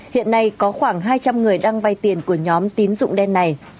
hiện nay có khoảng hai trăm linh người đang vay tiền của nhóm tín dụng đen này